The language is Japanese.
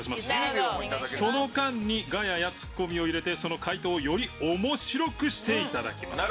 その間にガヤやツッコミを入れてその回答をより面白くしていただきます。